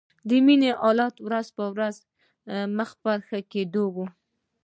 د مينې حالت ورځ په ورځ مخ په ښه کېدو و